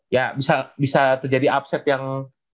ya bisa terjadi upset yang